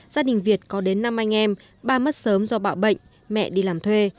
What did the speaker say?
gia đình việt có đến năm anh em ba mất sớm do bạo bệnh mẹ đi làm thuê